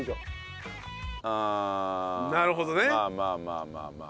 ああまあまあまあ。